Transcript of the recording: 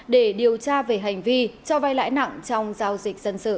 để điều tra về hành vi phạm tội